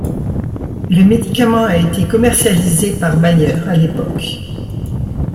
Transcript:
Le médicament a été commercialisé par Bayer à l'époque.